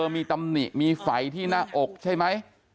มีตำหนิมีไฝที่หน้าอกใช่ไหม